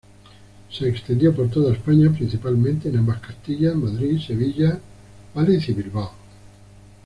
Se extendió por toda España, principalmente en ambas Castillas, Madrid, Sevilla, Valencia y Bilbao.